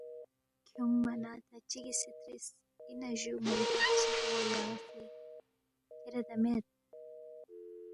کھیونگما نہ تا چِگی سی ترِس ”اِنا جُو ن٘ئی بادشی بون٘و یان٘ی کھیریدا مید؟“